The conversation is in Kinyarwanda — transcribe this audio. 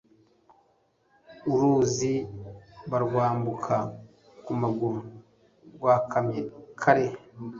uruzi barwambuka ku maguru rwakamye kare